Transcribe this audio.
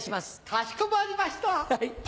かしこまりました。